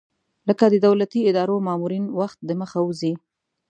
لکه د دولتي ادارو مامورین وخت دمخه وځي.